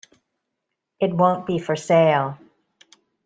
It won't be for sale.